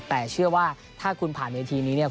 แต่เชื่อว่าถ้าคุณผ่านเวทีนี้เนี่ย